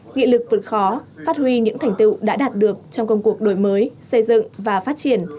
nghị lực vượt khó phát huy những thành tựu đã đạt được trong công cuộc đổi mới xây dựng và phát triển